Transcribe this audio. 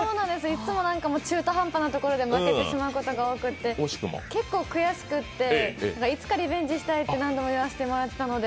いっつも中途半端なところで負けてしまうことが多くて結構悔しくていつかリベンジしたいと何度も言っていたので。